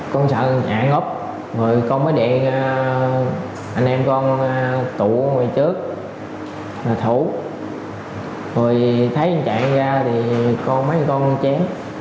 con sợ chạy ngốc rồi con mới điện anh em con tụ ngoài trước là thủ rồi thấy chạy ra thì mấy con chém